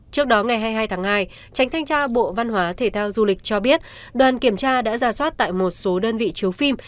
trước đó ngày hai mươi hai tháng hai tránh thanh tra bộ văn hóa thể thao du lịch cho biết đoàn kiểm tra đã ra soát tại một số đơn vị chiếu phim